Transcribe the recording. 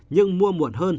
nhưng mua muộn hơn